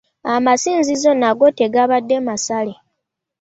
Amasinzizo nago tegabadde masaale.